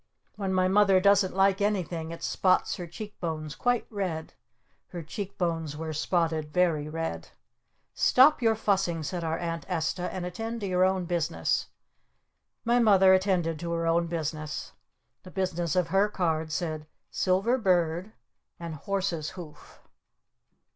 When my Mother doesn't like anything it spots her cheek bones quite red. Her cheek bones were spotted very red. "Stop your fussing!" said our Aunt Esta. "And attend to your own business!" My Mother attended to her own business. The business of her card said "SILVER BIRD" and "HORSE'S HOOF."